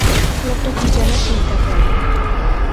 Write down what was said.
লোকটা কি যেন চিন্তা করে।